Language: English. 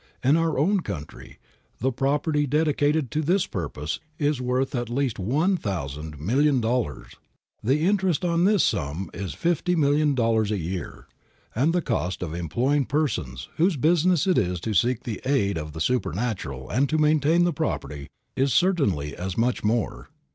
In our own country, the property dedicated to this purpose is worth at least one thousand million dollars. The interest on this sum is fifty million dollars a year, and the cost of employing persons, whose business it is to seek the aid of the supernatural and to maintain the property, is certainly as much more.